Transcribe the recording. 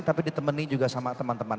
tapi ditemenin juga sama teman teman